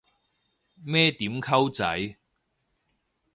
咩點溝仔